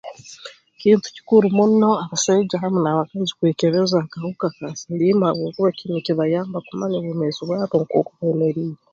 Kintu kikuru muno abasaija hamu n'abakazi kwekebeza akahuka ka siliimu habwokuba eki nikibayamba okumanya obwomeezi bwabo nkooku bwemeriire